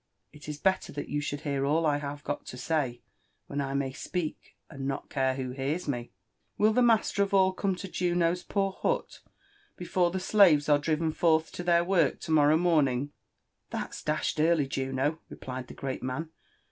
" It is belter that you should hear all I have got to say when I may speak and not care who hears me. Will the master of all come to Juno's poor hut before the slaves are driven forth to their work to morrow morning ?"\" That's d tion early, Juno," replied the great man.